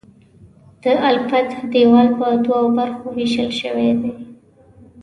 د الفتح دیوال په دوو برخو ویشل شوی دی.